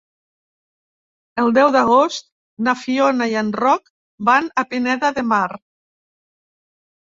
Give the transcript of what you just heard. El deu d'agost na Fiona i en Roc van a Pineda de Mar.